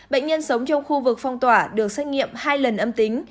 bệnh nhân sống trong khu vực phong tỏa được xét nghiệm hai lần âm tính